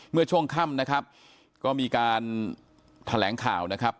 เมื่อช่วงค่ำนะครับก็มีการแถลงข่าวนะครับ